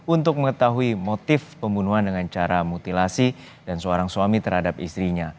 untuk mengetahui motif pembunuhan dengan cara mutilasi dan seorang suami terhadap istrinya